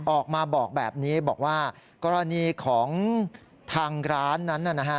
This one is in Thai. ออกมาบอกแบบนี้บอกว่ากรณีของทางร้านนั้นนะฮะ